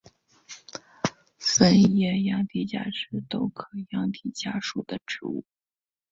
粉叶羊蹄甲是豆科羊蹄甲属的植物。